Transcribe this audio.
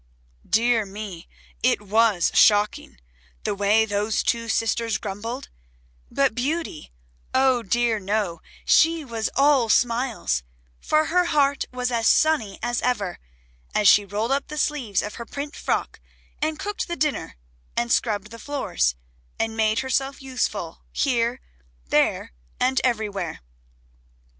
Dear me, it was shocking, the way those two sisters grumbled, but Beauty, oh dear no, she was all smiles, for her heart was as sunny as ever, as she rolled up the sleeves of her print frock, and cooked the dinner, and scrubbed the floors, and made herself useful, here, there, and everywhere.